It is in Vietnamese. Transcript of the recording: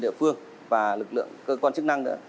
địa phương và lực lượng cơ quan chức năng